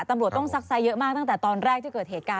ตำรวจต้องซักไซดเยอะมากตั้งแต่ตอนแรกที่เกิดเหตุการณ์